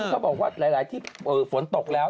เขาบอกว่าหลายที่ฝนตกแล้ว